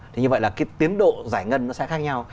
thì như vậy là cái tiến độ giải ngân nó sẽ khác nhau